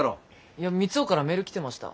いや三生からメール来てました。